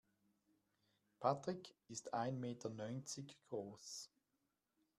Patrick ist ein Meter neunzig groß.